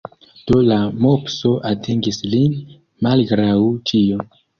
Do la mopso atingis lin, malgraŭ ĉio.